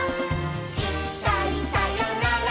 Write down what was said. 「いっかいさよなら